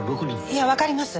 いやわかります。